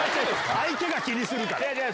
相手が気にするから。